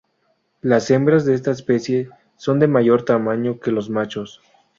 Las hembras de esta especie son de mayor tamaño que los machos.